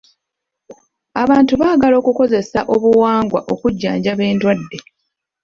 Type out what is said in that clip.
Abantu baagala okukozesa obuwangwa okujjanjaba endwadde.